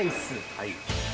はい。